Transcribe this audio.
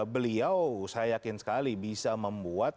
beliau saya yakin sekali bisa membuat